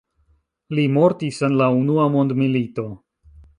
Li mortis en la Unua mondmilito.